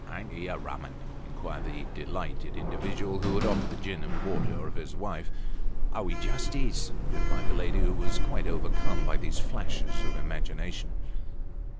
" A'n't he a rum un ?" inquired the delighted individual, who had offered the gin and water, of his wife. " Oh, he just is !" replied the lady, who was quite, overcome by these flashes of imagination.